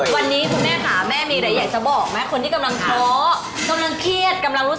วันนี้คือบอกเลยว่าเป็นอะไรที่สนุกสะหนักมาก